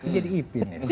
jadi ipin ya